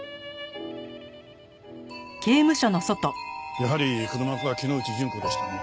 やはり黒幕は木之内順子でしたね。